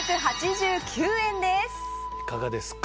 いかがですか？